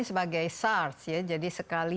sebagai sars jadi sekali